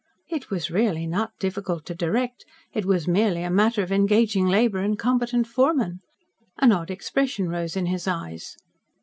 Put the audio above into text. "It was really not difficult to direct. It was merely a matter of engaging labour and competent foremen." An odd expression rose in his eyes.